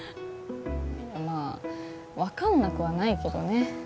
まあ分かんなくはないけどね